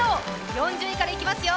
４０位からいきますよ！